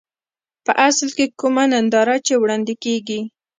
په اصل کې کومه ننداره چې وړاندې کېږي.